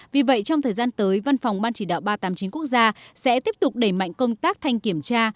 vì vậy trong thời gian tới văn phòng ban chỉ đạo ba trăm tám mươi chín quốc gia sẽ tiếp tục đẩy mạnh công tác thanh kiểm tra